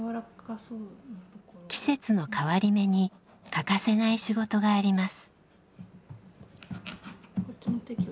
季節の変わり目に欠かせない仕事があります。